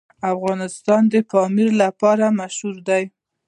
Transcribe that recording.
افغانستان د پامیر لپاره مشهور دی.